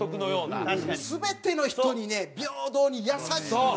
全ての人にね平等に優しいのよ！